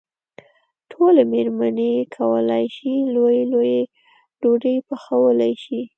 ټولې مېرمنې کولای شي لويې لويې ډوډۍ پخولی شي.